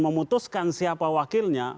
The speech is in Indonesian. memutuskan siapa wakilnya